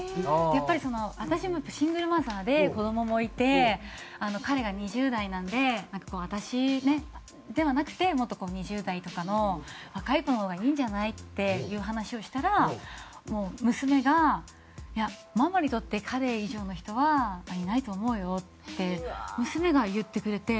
やっぱり私もシングルマザーで子どももいて彼が２０代なんでなんかこう私ではなくてもっと２０代とかの若い子の方がいいんじゃない？っていう話をしたら娘がいやママにとって彼以上の人はいないと思うよって娘が言ってくれて。